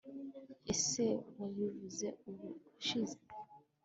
ese wabivuze ubushize